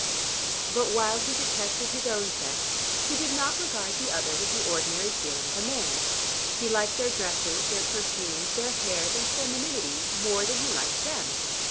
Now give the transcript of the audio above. But while he detested his own sex, he did not regard the other with the ordinary feeling of a man. He liked their dresses, their perfumes, their hair, their femininity, more than he liked them.